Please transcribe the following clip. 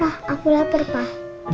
lah aku lapar pak